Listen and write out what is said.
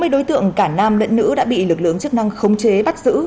hai mươi đối tượng cả nam lẫn nữ đã bị lực lượng chức năng khống chế bắt giữ